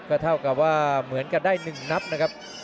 ก็เท่ากับว่าเหมือนกันได้๑นัดนะครับ